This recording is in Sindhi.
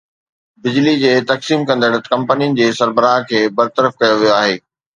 بجلي جي تقسيم ڪندڙ ڪمپنين جي سربراهن کي برطرف ڪيو ويو آهي